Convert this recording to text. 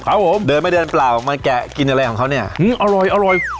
ครับผมเดินมาเดินเปล่าออกมาแกะกินอะไรของเขาเนี่ยอร่อยอร่อย